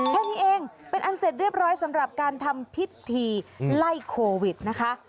แค่นี้เองเป็นอันเสร็จเรียบร้อยสำหรับการทำพิธีไล่โควิดนะคะ